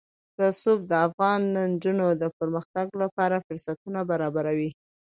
رسوب د افغان نجونو د پرمختګ لپاره فرصتونه برابروي.